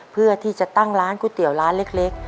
เพื่อที่จะตั้งร้านก๋วยเตี๋ยวร้านเล็ก